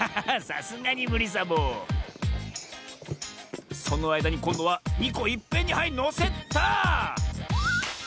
さすがにむりサボそのあいだにこんどは２こいっぺんにはいのせた！